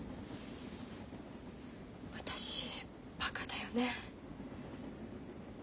私バカだよね。